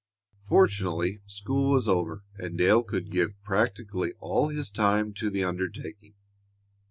Fortunately, school was over and Dale could give practically all his time to the undertaking.